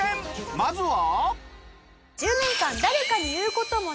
まずは。